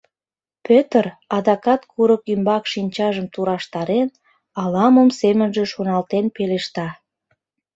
Пӧтыр, адакат курык ӱмбак шинчажым тураштарен, ала-мом семынже шоналтен пелешта: